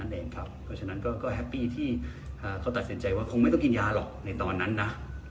เพราะฉะนั้นก็แฮปปี้ที่เขาตัดสินใจว่าคงไม่ต้องกินยาหรอกในตอนนั้นนะ